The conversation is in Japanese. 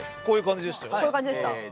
こういう感じでした？